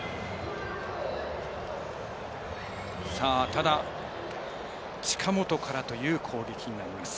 ただ、近本からという攻撃になります。